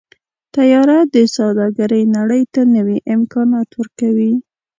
طیاره د سوداګرۍ نړۍ ته نوي امکانات ورکوي.